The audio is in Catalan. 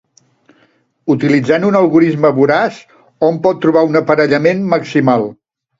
Utilitzant un algorisme voraç, hom pot trobar un aparellament maximal.